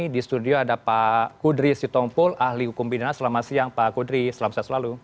di studio ada pak kudris sitompul ahli hukum bidana selamat siang pak kudris selamat siang selalu